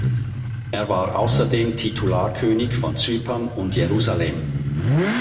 Er war außerdem Titular-König von Zypern und Jerusalem.